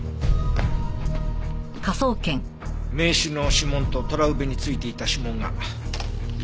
名刺の指紋とトラウベについていた指紋が一致したよ。